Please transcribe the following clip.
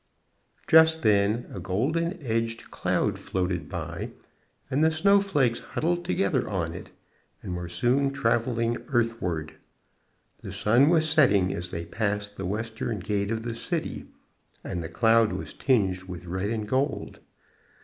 Just then a golden edged cloud floated by, and the snowflakes huddled together on it and were soon travelling earthward. The sun was setting as they passed the western gate of the city, and the cloud was tinged with red and gold.